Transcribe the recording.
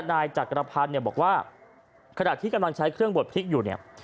นายจักรพันธ์เนี่ยบอกว่าขณะที่กำลังใช้เครื่องบดพริกอยู่เนี่ย